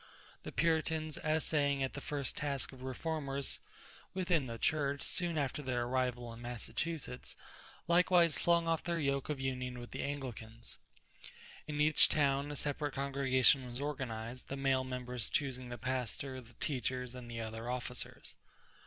The Puritans, essaying at first the task of reformers within the Church, soon after their arrival in Massachusetts, likewise flung off their yoke of union with the Anglicans. In each town a separate congregation was organized, the male members choosing the pastor, the teachers, and the other officers.